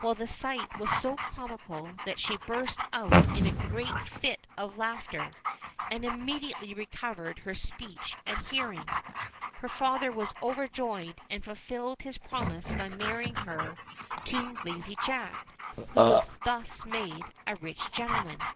Well, the sight was so comical that she burst out into a great fit of laughter, and imme diately recovered her speech and hearing. Her father was overjoyed, and fulfilled his promise by marrying her to Lazy Jack, who was thus made a rich gentleman.